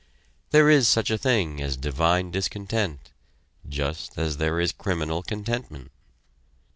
There is such a thing as divine discontent just as there is criminal contentment.